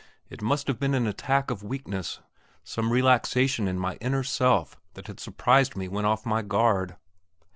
It must have been an attack of weakness; some relaxation in my inner self that had surprised me when off my guard.